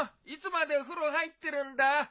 いつまで風呂入ってるんだ。